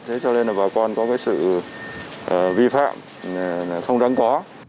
thế cho nên là bà con có cái sự vi phạm không đáng có